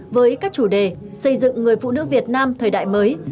với các chủ đề xây dựng người phụ nữ việt nam thời đại mới